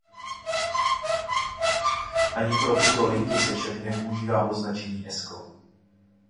Ani pro tyto linky se však nepoužívá označení Esko.